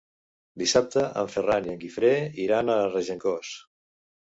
Dissabte en Ferran i en Guifré iran a Regencós.